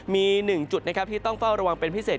มี๑จุดนะครับที่ต้องเฝ้าระวังเป็นพิเศษ